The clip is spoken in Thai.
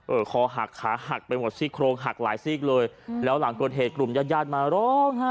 คอหักขาหักไปหมดซี่โครงหักหลายซีกเลยแล้วหลังเกิดเหตุกลุ่มญาติญาติมาร้องฮะ